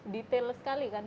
detail sekali kan